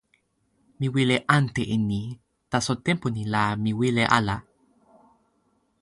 mi wile ante e ni. taso tenpo ni la mi wile ala.